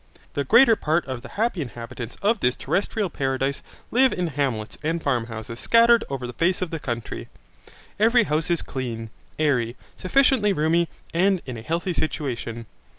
The greater part of the happy inhabitants of this terrestrial paradise live in hamlets and farmhouses scattered over the face of the country. Every house is clean, airy, sufficiently roomy, and in a healthy situation.